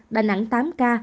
đà nẵng tám ca